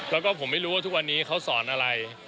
แล้วก็ผมไม่รู้ว่าทุกวันนี้เขาสอนอะไร